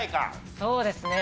そうですね。